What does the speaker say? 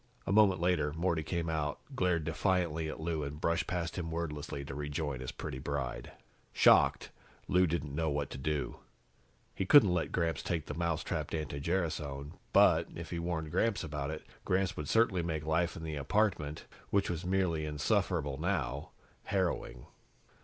A moment later, Morty came out, glared defiantly at Lou and brushed past him wordlessly to rejoin his pretty bride. Shocked, Lou didn't know what to do. He couldn't let Gramps take the mousetrapped anti gerasone but, if he warned Gramps about it, Gramps would certainly make life in the apartment, which was merely insufferable now, harrowing.